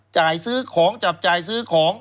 จ่ายซื้อของจับจ่ายซื้อของ